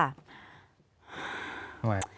ทำไม